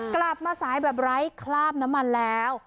กลับมาสายแบบไร้คราบน้ำมันแล้ว